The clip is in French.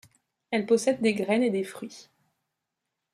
Elle possèdes des graines et des fruits.